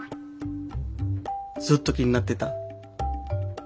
ずっと気になってた。